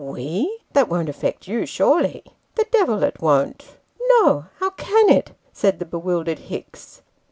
" We /That won't affect you, surely ?"" The devil it won't !" "No! how can it?" said the bewildered Hicks.